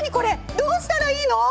どうしたらいいの？